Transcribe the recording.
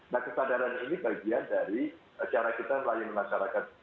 nah kesadaran ini bagian dari cara kita melayani masyarakat